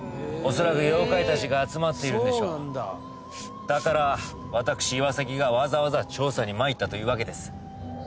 恐らく妖怪たちが集まっているんでしょうだから私岩崎がわざわざ調査に参ったというわけです